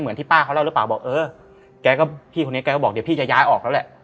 เหมือนที่ป้าเขาเล่าหรือเปล่าแกก็บอกเดี๋ยวพี่จะย้ายออกแล้วแหละ